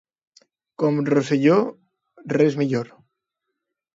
Com Rosselló, res millor.